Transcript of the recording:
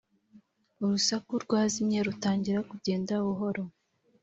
urusaku rwazimye rutangira kugenda buhoro,